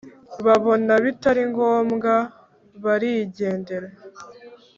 Babona bitaringombwa barigendera